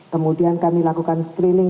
kemudian kami lakukan screening